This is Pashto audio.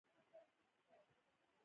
دا هدف ته د رسیدو لپاره ترسره کیږي.